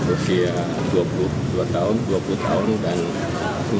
untuk dua tahun dua puluh tahun dan sembilan belas tahun